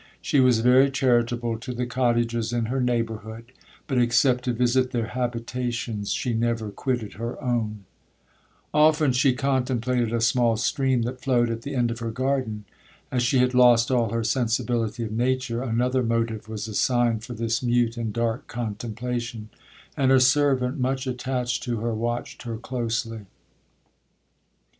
She was very charitable to the cottagers in her neighbourhood; but except to visit their habitations, she never quitted her own. 'Often she contemplated a small stream that flowed at the end of her garden. As she had lost all her sensibility of nature, another motive was assigned for this mute and dark contemplation; and her servant, much attached to her, watched her closely.